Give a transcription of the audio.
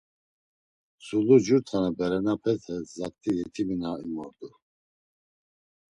Tzulu cur tane berenapete, zat̆i yetimi na imordu.